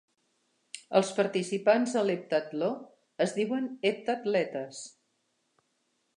Els participants a l'heptatló es diuen heptatletes.